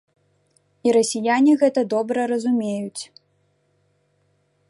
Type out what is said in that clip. І расіяне гэта добра разумеюць.